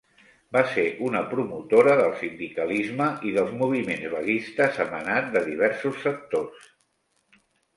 Va ser una promotora del sindicalisme i dels moviments vaguistes emanat de diversos sectors.